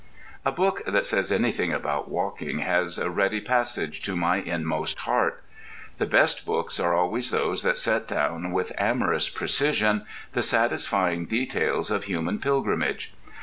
A book that says anything about walking has a ready passage to my inmost heart. The best books are always those that set down with "amorous precision" the satisfying details of human pilgrimage.